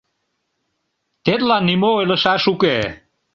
Тетла нимо ойлышаш уке.